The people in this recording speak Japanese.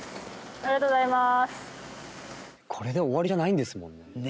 ありがとうございます。